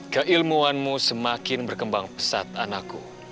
keilmuanmu semakin berkembang pesat anakku